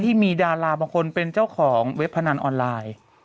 ที่มีดาราบางคนเป็นเจ้าของเว็บพนันออนไลน์